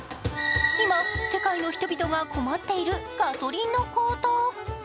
今、世界の人々が困っているガソリンの高騰。